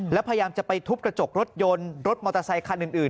แล้วพยายามจะไปทุบกระจกรถยนต์รถมอเตอร์ไซคันอื่น